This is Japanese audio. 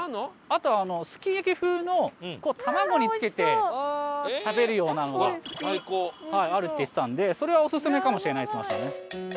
あとあのすき焼風のこう卵につけて食べるようなのがあるって言ってたのでそれはオススメかもしれないって言ってましたね。